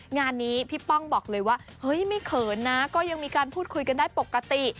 งานนี้พี่ป้องบอกเลยว่าเฮ้ยไม่เขินนะก็ยังมีการพูดคุยกันได้ปกติ